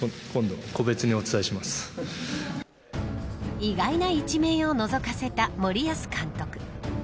意外な一面をのぞかせた森保監督。